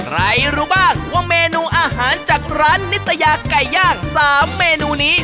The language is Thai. รู้บ้างว่าเมนูอาหารจากร้านนิตยาไก่ย่าง๓เมนูนี้